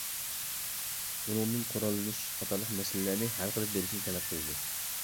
ئۇنىڭدىن قوراللىنىش قاتارلىق مەسىلىلەرنى ھەل قىلىپ بېرىشنى تەلەپ قىلدى.